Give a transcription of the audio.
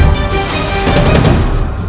kau akan menang